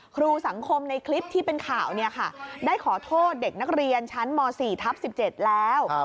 ครูสังคมในคลิปที่เป็นข่าวได้ขอโทษเด็กนักเรียนชั้นม๔ทับ๑๗แล้ว